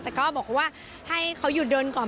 แต่ก็บอกเขาว่าให้เขาหยุดเดินก่อน